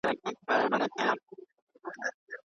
تاسو مه کوئ چې بې له څېړنې کومه نتیجه واخلئ.